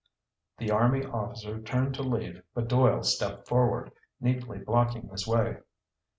The army officer turned to leave but Doyle stepped forward, neatly blocking his way.